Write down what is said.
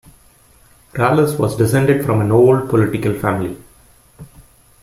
Rallis was descended from an old political family.